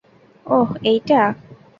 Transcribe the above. ওহ, এইটা?